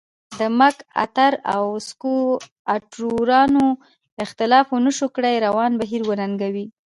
د مک ارتر او سکواټورانو اختلاف ونشو کړای روان بهیر وننګوي.